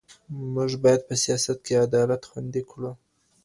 موږ باید په سیاست کي عدالت خوندي کړو.